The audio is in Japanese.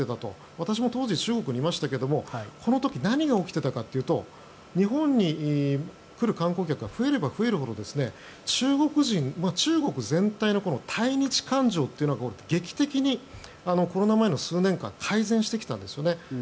私も当時、中国にいましたがこの時何が起きていたかというと日本に来る観光客が増えれば増えるほど中国人、中国全体の対日感情というのが劇的にコロナ前の数年間改善してきたんですよね。